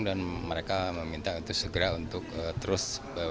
dan mereka meminta itu segera untuk terus